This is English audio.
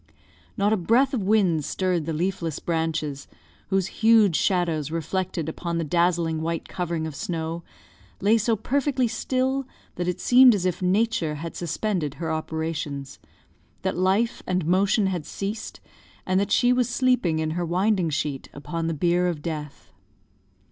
Not a breath of wind stirred the leafless branches, whose huge shadows reflected upon the dazzling white covering of snow, lay so perfectly still, that it seemed as if Nature had suspended her operations, that life and motion had ceased, and that she was sleeping in her winding sheet, upon the bier of death.